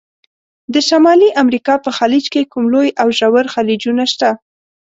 د شمالي امریکا په خلیج کې کوم لوی او ژور خلیجونه شته؟